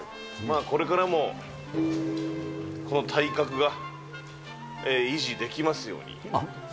これからもこの体格が維持できますように。